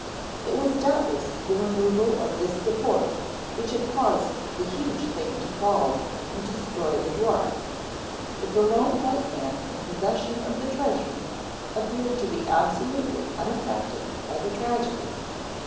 It was doubtless the removal of this support which had caused the huge thing to fall and destroy the dwarf; but the lone white man in possession of the treasure appeared to be absolutely unaffected by the tragedy.